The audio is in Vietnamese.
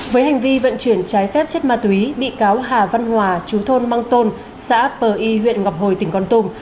với hành vi vận chuyển trái phép chất ma túy bị cáo hà văn hòa chú thôn mang tôn xã pờ y huyện ngọc hồi tỉnh con tum